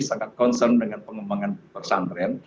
sangat concern dengan pengembangan pesantren